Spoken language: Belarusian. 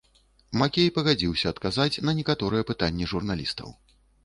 Макей пагадзіўся адказаць на некаторыя пытанні журналістаў.